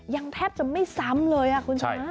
ยังแทบจะไม่ซ้ำเลยคุณชนะ